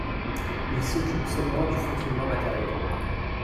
Ils s’occupent seulement du fonctionnement matériel